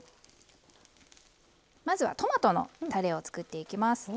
まずはトマトのたれを作っていきます。